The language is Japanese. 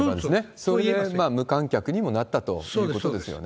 そういう無観客にもなったということですよね。